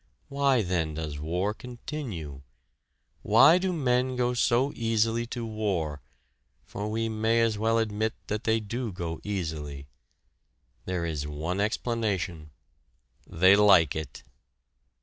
Why, then, does war continue? Why do men go so easily to war for we may as well admit that they do go easily? There is one explanation. They like it!